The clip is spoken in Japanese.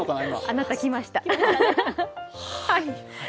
あなた、きました。